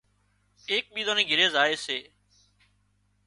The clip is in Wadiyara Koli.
ايڪ ٻيزان ني گھري زائي سي